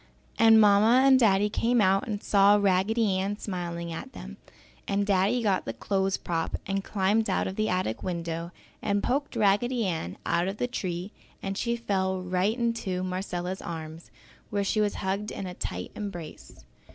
And Mamma and Daddy came out and saw Raggedy smiling at them, and Daddy got the clothes prop and climbed out of the attic window and poked Raggedy Ann out of the tree and she fell right into Marcella's arms where she was hugged in a tight embrace.